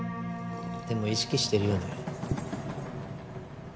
でも意識してるよね？